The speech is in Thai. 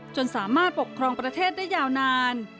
จนสามารถปกครองประเทศได้ยาวนาน